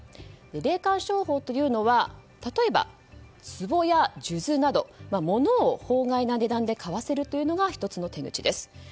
霊感商法というのは例えば、つぼや数珠など物を法外な値段で買わせるというのが１つの手口です。